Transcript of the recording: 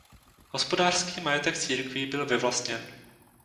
Hospodářský majetek církví byl vyvlastněn.